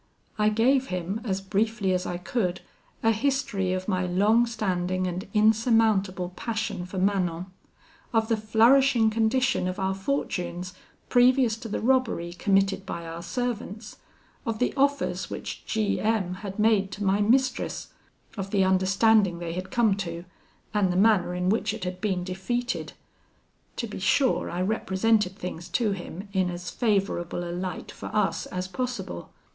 "I gave him, as briefly as I could, a history of my long standing and insurmountable passion for Manon, of the flourishing condition of our fortunes previous to the robbery committed by our servants, of the offers which G M had made to my mistress, of the understanding they had come to, and the manner in which it had been defeated. To be sure, I represented things to him in as favourable a light for us as possible.